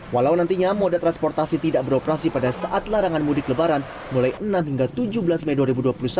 walau nantinya moda transportasi tidak beroperasi pada saat larangan mudik lebaran mulai enam hingga tujuh belas mei dua ribu dua puluh satu